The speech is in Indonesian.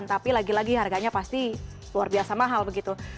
tapi lagi lagi harganya pasti luar biasa mahal begitu